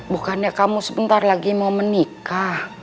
bukannya kamu sebentar lagi mau menikah